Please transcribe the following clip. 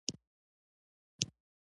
او کۀ څوک ځان مستقل صحتمند ليدل غواړي